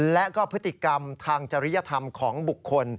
และก็พฤติกรรมทางจริยธรรมของบุคคล